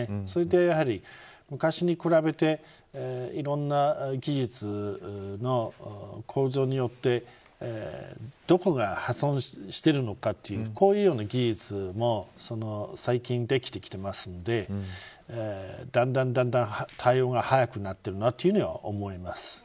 それと、昔に比べて、いろんな技術の向上によってどこが破損しているのかというこういう技術も最近、できてきているのでだんだん対応が早くなっているなというふうには思います。